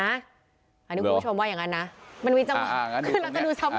ค่ะคุณผู้ชมว่าอย่างงั้นนะ